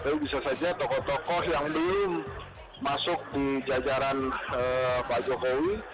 tapi bisa saja tokoh tokoh yang belum masuk di jajaran pak jokowi